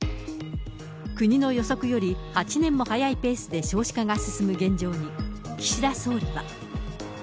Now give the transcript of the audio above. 国の予測より８年も早いペースで少子化が進む現状に、岸田総理は。